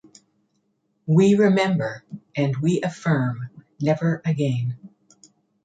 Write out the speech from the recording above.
We remember, and we affirm: never again.